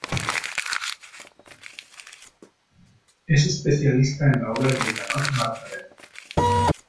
Es especialista en la obra de Joanot Martorell.